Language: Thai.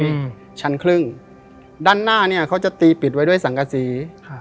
อืมชั้นครึ่งด้านหน้าเนี้ยเขาจะตีปิดไว้ด้วยสังกษีครับ